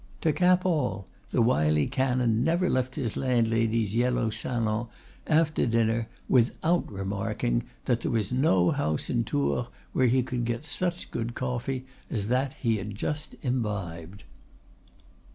To cap all, the wily canon never left his landlady's yellow salon after dinner without remarking that there was no house in Tours where he could get such good coffee as that he had just imbibed.